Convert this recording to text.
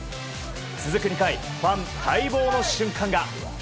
続く２回、ファン待望の瞬間が。